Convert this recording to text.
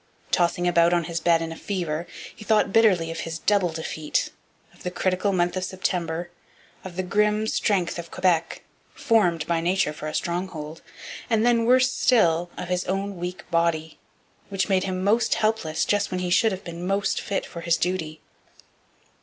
Tossing about on his bed in a fever, he thought bitterly of his double defeat, of the critical month of September, of the grim strength of Quebec, formed by nature for a stronghold, and then worse still of his own weak body, which made him most helpless just when he should have been most fit for his duty.